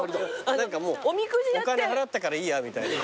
何かもうお金払ったからいいやみたいな。